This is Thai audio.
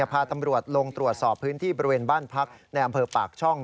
พาตำรวจลงตรวจสอบพื้นที่บริเวณบ้านพักในอำเภอปากช่อง